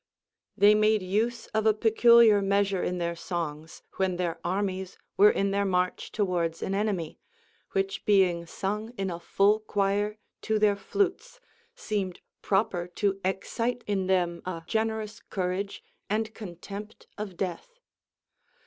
* 16. They made use of a peculiar measure in their songs, when their armies were in their march towards an enemy, which being sung in a full choir to their flutes seemed proper to excite in them a generous courage and contempt of death.